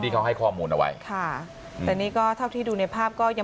เขาให้ข้อมูลเอาไว้ค่ะแต่นี่ก็เท่าที่ดูในภาพก็ยัง